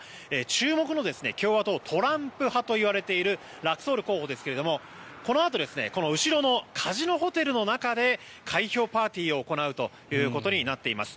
注目の共和党トランプ派と言われているラクソール候補ですが、このあとこの後ろのカジノホテルの中で開票パーティーを行うということになっています。